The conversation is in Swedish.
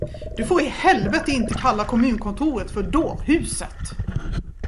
Du får i helvete inte kalla kommunkontoret för dårhuset!